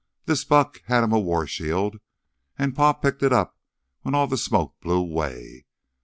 This buck had him a war shield an' Pa picked it up when all th' smoke blew away.